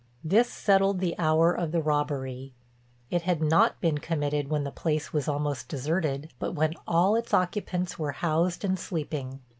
This settled the hour of the robbery. It had not been committed when the place was almost deserted, but when all its occupants were housed and sleeping.